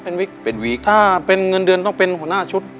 เป็นวิกเป็นวีคถ้าเป็นเงินเดือนต้องเป็นหัวหน้าชุด